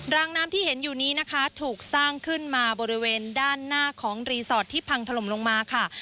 รางน้ำที่เห็นอยู่นี้นะคะถูกสร้างขึ้นมาบริเวณด้านหน้าของรีสอร์ทที่พังถล่มลงมาค่ะ